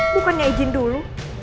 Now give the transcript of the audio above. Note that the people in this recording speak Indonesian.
bukannya izin dulu